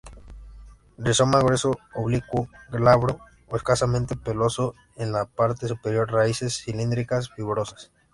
Rizoma grueso, oblicuo, glabro o escasamente peloso en la parte superior; raíces cilíndricas, fibrosas.